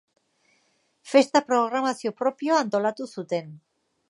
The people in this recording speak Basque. Festa programazio propioa antolatu zuten.